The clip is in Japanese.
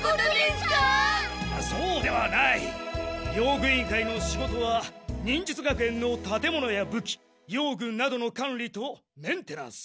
用具委員会の仕事は忍術学園の建物や武器用具などの管理とメンテナンス。